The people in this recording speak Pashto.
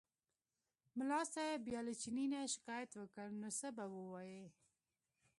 ملا صاحب بیا له چیني نه شکایت وکړ نو څه به ووایي.